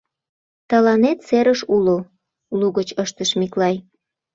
— Тыланет серыш уло, — лугыч ыштыш Миклай.